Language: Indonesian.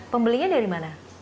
pembelinya dari mana